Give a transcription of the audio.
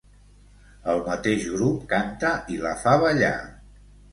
El mateix grup canta i la fa ballar.